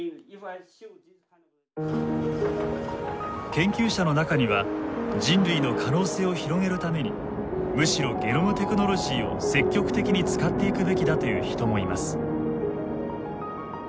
研究者の中には人類の可能性を広げるためにむしろゲノムテクノロジーを積極的に使っていくべきだという人もいます。